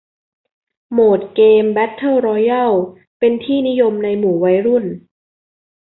โหมดเกมแเบทเทิลรอยัลเป็นที่นิยมในหมู่วัยรุ่น